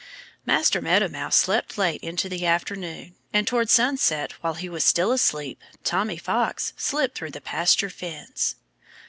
Master Meadow Mouse slept late into the afternoon. And towards sunset, while he was still asleep, Tommy Fox slipped through the pasture fence.